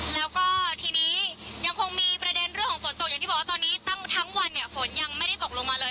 แล้วก็ทีนี้ยังคงมีประเด็นเรื่องตังค์ฝนตกตอนนี้ตั้งทั้งวันฝนยังไม่ได้ตกลงมาเลย